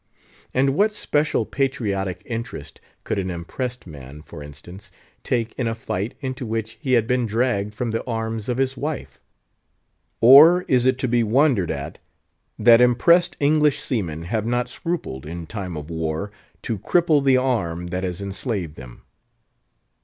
And what special patriotic interest could an impressed man, for instance, take in a fight, into which he had been dragged from the arms of his wife? Or is it to be wondered at that impressed English seamen have not scrupled, in time of war, to cripple the arm that has enslaved them?